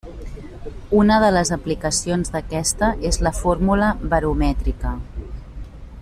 Una de les aplicacions d'aquesta és la fórmula baromètrica.